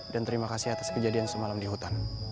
dan terima kasih atas kejadian semalam di hutan